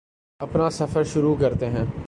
اپنا سفر شروع کرتے ہیں